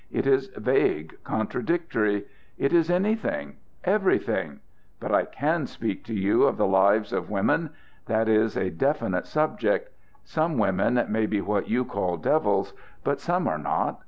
It is vague, contradictory; it is anything, everything. But I can speak to you of the lives of women; that is a definite subject. Some women may be what you call devils. But some are not.